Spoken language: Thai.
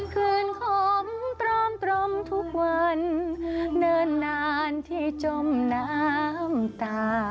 คืนขมตรอมทุกวันเนิ่นนานที่จมน้ำตา